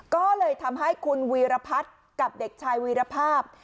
ก็เลยทำให้คุณวีรพัฒน์กับเด็กชายวีรภาพ